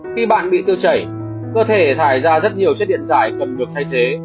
khi bạn bị tiêu chảy cơ thể thải ra rất nhiều chất điện dài cần được thay thế